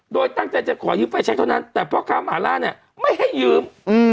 โดยตั้งใจจะขอยืมไฟแชคเท่านั้นแต่พ่อค้าหมาล่าเนี่ยไม่ให้ยืม